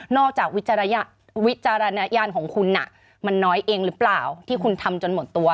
จากวิจารณญาณของคุณมันน้อยเองหรือเปล่าที่คุณทำจนหมดตัว